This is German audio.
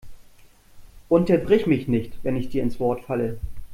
Unterbrich mich nicht, wenn ich dir ins Wort falle!